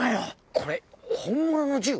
これ本物の銃？